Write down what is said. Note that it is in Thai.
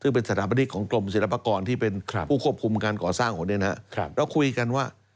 ซึ่งเป็นสถานภัยกรรมศิลปกรณ์ที่เป็นผู้ควบคุมการก่อสร้างหัวนี่นะเราคุยกันว่า